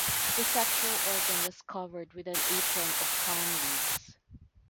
The sexual organ was covered with an apron of palm leaves.